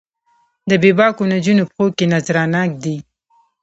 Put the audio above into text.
د بې باکو نجونو پښو کې نذرانه ږدي